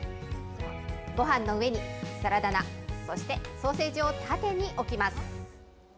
ごはんの上にサラダ菜、そしてソーセージを縦に置きます。